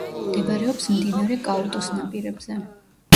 მდებარეობს მდინარე კაუტოს ნაპირებზე.